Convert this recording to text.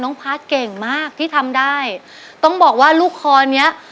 พาร์ทเก่งมากที่ทำได้ต้องบอกว่าลูกคอเนี้ย